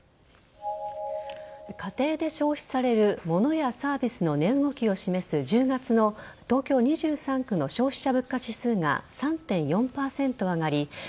家庭で消費されるモノやサービスの値動きを示す１０月の東京２３区の消費者物価指数が３．４％上がり